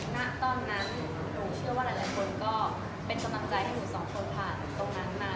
ณตอนนั้นหนูเชื่อว่าหลายคนก็เป็นกำลังใจให้หนูสองคนผ่านตรงนั้นมา